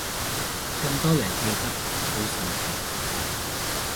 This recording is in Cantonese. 咁多人記得，好神奇